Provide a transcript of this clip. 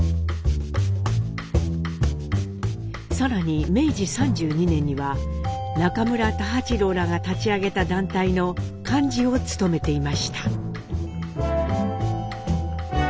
更に明治３２年には中村太八郎らが立ち上げた団体の幹事を務めていました。